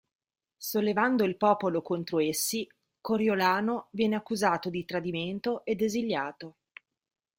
Sollevando il popolo contro essi, Coriolano viene accusato di tradimento ed esiliato.